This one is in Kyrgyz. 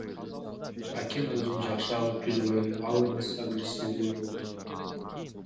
Аким өзүн жакшы алып жүрбөй, ал эмес агрессивдүү болду.